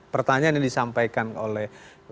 pertanyaan yang disampaikan oleh